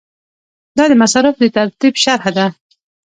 دا د مصارفو د ترتیب شرحه ده.